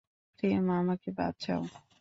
প্রেম, আমাকে বাঁচাও।